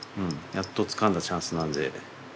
やっとつかんだチャンスなんで。